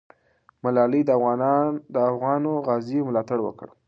ملالۍ د افغانو غازیو ملاتړ وکړ.